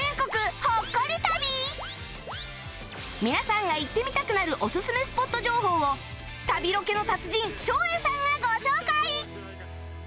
皆さんが行ってみたくなるオススメスポット情報を旅ロケの達人照英さんがご紹介！